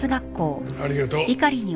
ありがとう。